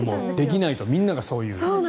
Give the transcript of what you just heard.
できないとみんながそう言う。